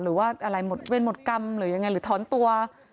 หรือว่าอะไรหมดเวรหมดกรรมหรือยังไงหรือถอนตัว